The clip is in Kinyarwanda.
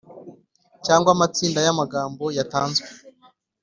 cyangwa amatsinda y’amagambo yatanzwe